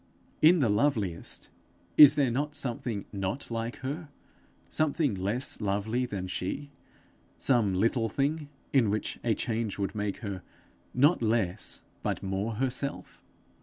In the loveliest is there not something not like her something less lovely than she some little thing in which a change would make her, not less, but more herself?